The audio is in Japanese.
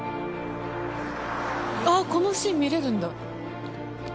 あっこのシーン見れるんだ。